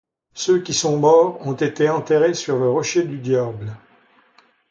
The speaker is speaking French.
Ceux qui sont morts ont été enterrés sur le rocher du Diable.